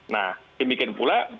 nah demikian pula